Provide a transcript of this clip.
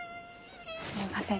すいません。